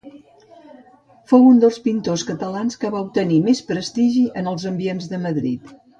Fou un dels pintors catalans que va obtenir més prestigi en els ambients de Madrid.